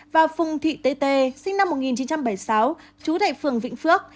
và phùng thị tê sinh năm một nghìn chín trăm bảy mươi sáu chú tại phường vĩnh phước